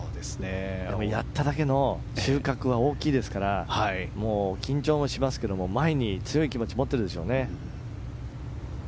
やっただけ収穫は大きいですから緊張もしますけど前に強い気持ちを持っているでしょうね。